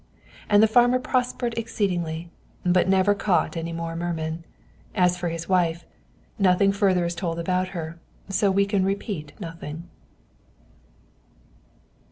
And the farmer prospered exceedingly, but never caught any more mermen. As for his wife, nothing further is told about her, so we can repeat nothing.